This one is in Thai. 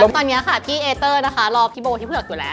ตอนนี้ค่ะพี่เอเตอร์นะคะรอพี่โบที่เผือกอยู่แล้ว